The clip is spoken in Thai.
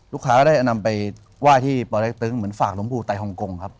ลูกค้าก็ได้นำไปไหว้ที่ปลักษณ์ตึงเหมือนฝากหลมภูตัยฮ่องกงครับ